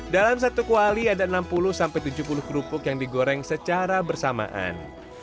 dalam satu kuali ada enam puluh tujuh puluh kerupuk yang digoreng secara bersamaan